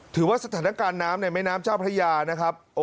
สถานการณ์น้ำในแม่น้ำเจ้าพระยานะครับ